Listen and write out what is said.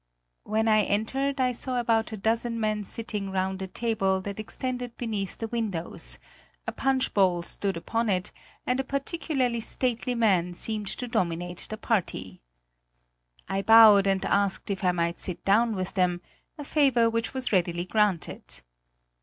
When I entered, I saw about a dozen men sitting round a table that extended beneath the windows; a punch bowl stood upon it; and a particularly stately man seemed to dominate the party. I bowed and asked if I might sit down with them, a favor which was readily granted.